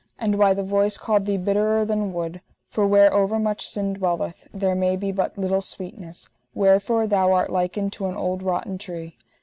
And why the voice called thee bitterer than wood, for where overmuch sin dwelleth, there may be but little sweetness, wherefore thou art likened to an old rotten tree.